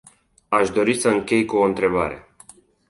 Aș dori să închei cu o întrebare.